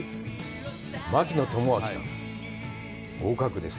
槙野智章さん、合格です。